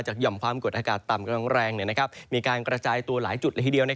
หย่อมความกดอากาศต่ำกำลังแรงมีการกระจายตัวหลายจุดละทีเดียว